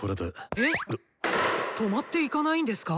え⁉泊まっていかないんですか？